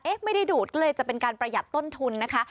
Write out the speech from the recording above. ไม่ได้ดูดก็เลยจะเป็นการประหยัดต้นทุนนะคะ